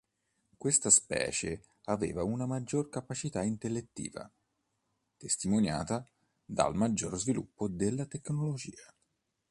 Questa specie aveva una maggior capacità intellettiva, testimoniata dal maggior sviluppo della tecnologia.